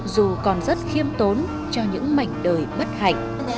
dù còn rất khiêm tốn cho những mảnh đời bất hạnh